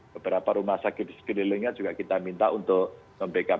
beberapa rumah sakit di sekelilingnya juga kita minta untuk membackup